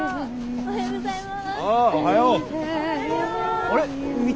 おはようございます。